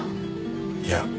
いや。